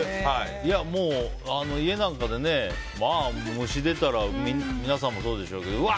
もう家なんかで虫が出たら皆さんもそうでしょうけどうわ！